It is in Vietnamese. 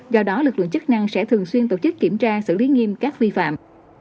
do đó lực lượng chức năng sẽ thường xuyên tổ chức kiểm tra xử lý nghiêm các vi phạm